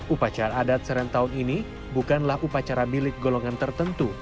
upacara adat serentau ini bukanlah upacara milik golongan tertentu